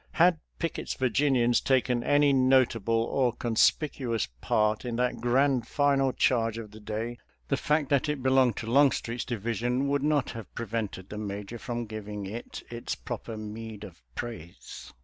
Had Pickett's Virginians taken any notable or con spicuous part in that grand flnal charge of the day, the fact that it belonged to Longstreet's division would not have prevented the Major from giving it its proper meed of praise.